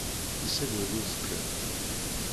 Yessaggad uzekka.